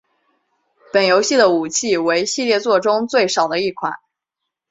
本游戏的武器为系列作中最少的一款。